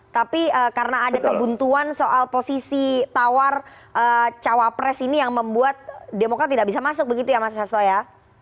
tapi karena ada kebuntuan soal posisi tawar cawapres ini yang membuat demokrat tidak bisa masuk begitu ya mas hasto ya